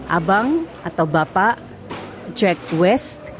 abang atau bapak jack waste